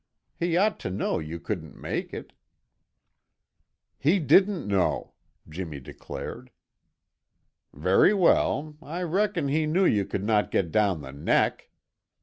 He ought to know you couldn't make it." "He didn't know," Jimmy declared. "Very well! I reckon he knew you could not get down the neck.